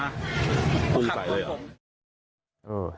พุ่งไปด้วยหรอ